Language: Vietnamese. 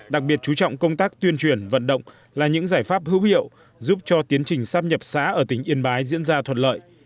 đặc biệt chú trọng công tác tuyên truyền vận động là những giải pháp hữu hiệu giúp cho tiến trình sắp nhập xã ở tỉnh yên bái diễn ra thuận lợi